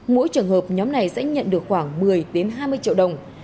mỗi trường hợp nhóm này sẽ nhận được khoảng một mươi hai mươi triệu đồng